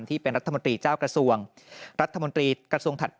และนี่ก็สร้างประวัติศาสตร์เช่นเดียวกันครับเป็นรัฐมนตรีว่าการกระทรวงอุตสาหกรรม